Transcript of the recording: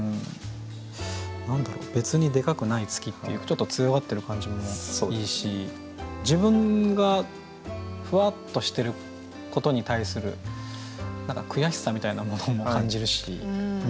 何だろう「別にデカくない月」っていうちょっと強がってる感じもいいし自分がふわっとしてることに対する何か悔しさみたいなものも感じるし。